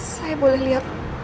saya boleh lihat